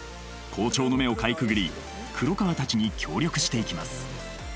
校長の目をかいくぐり黒川たちに協力していきます